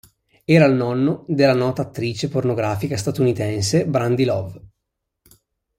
Era il nonno della nota attrice pornografica statunitense Brandi Love.